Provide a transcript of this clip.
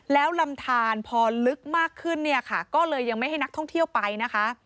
แล้วลำทานพอลึกมากขึ้นเนี่ยค่ะก็เลยยังไม่ให้นักท่องเที่ยวไปนะคะ